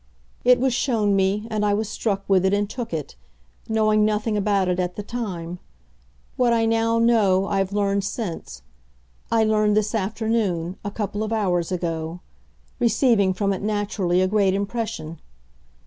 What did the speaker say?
It was shown me, and I was struck with it and took it knowing nothing about it at the time. What I now know I've learned since I learned this afternoon, a couple of hours ago; receiving from it naturally a great impression.